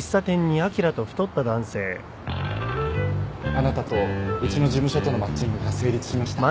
あなたとうちの事務所とのマッチングが成立しました。